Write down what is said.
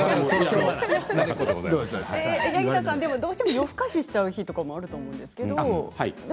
どうしても夜更かししちゃう日もあると思うんですけど。